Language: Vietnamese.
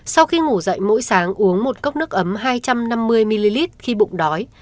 sau khi ngủ dậy mỗi sáng uống một cốc nước ấm hai trăm năm mươi ml khi bụng đói